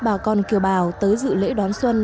bà con kiều bào tới dự lễ đón xuân